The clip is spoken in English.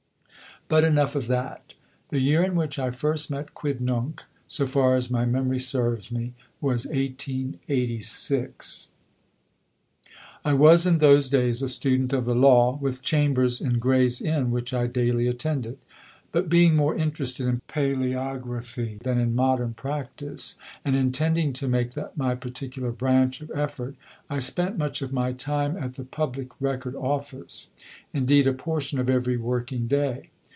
But enough of that. The year in which I first met Quidnunc, so far as my memory serves me, was 1886. I was in those days a student of the law, with chambers in Gray's Inn which I daily attended; but being more interested in palæography than in modern practice, and intending to make that my particular branch of effort, I spent much of my time at the Public Record Office; indeed, a portion of every working day.